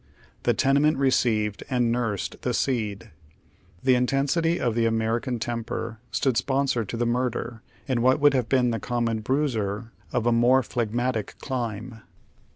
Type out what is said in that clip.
The tenement received and imrsed the seed. The intensity of tiie American temper stood spon sor to the murderer in what would have been the common " bruiser " of a more phlegmatic clime.